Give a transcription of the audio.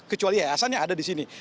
kecuali yayasan yang ada di sini